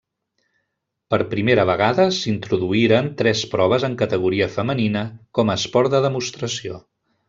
Per primera vegada s'introduïren tres proves en categoria femenina com a esport de demostració.